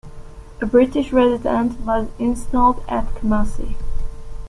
A British resident was installed at Kumasi.